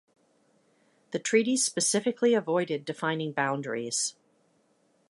The treaty specifically avoided defining boundaries.